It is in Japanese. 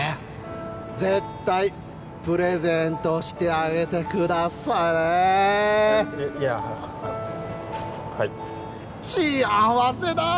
絶対プレゼントしてあげてくださーいいやはい幸せだ！